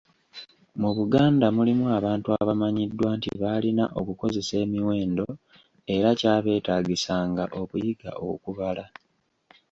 Mu Buganda mulimu abantu abamanyiddwa nti baalina okukozesa emiwendo era kyabeetaagisanga okuyiga okubala.